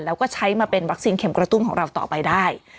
แล้วก็ใช้มาเป็นวัคซีนเข็มกระตุ้นของเราต่อไปได้